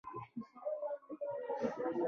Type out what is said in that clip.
هغه شخصي ژوند ورپورې تړلی و.